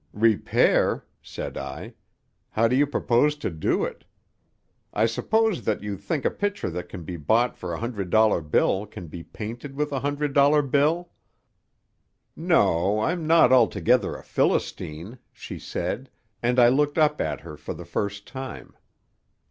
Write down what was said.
"Repair?" said I. "How do you propose to do it? I suppose that you think a picture that can be bought for a hundred dollar bill can be painted with a hundred dollar bill." "No; I'm not altogether a Philistine," she said, and I looked up at her for the first time.